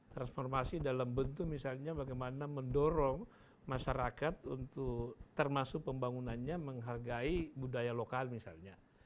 transformasi dalam bentuk misalnya bagaimana mendorong masyarakat untuk termasuk pembangunannya menghargai budaya lokal misalnya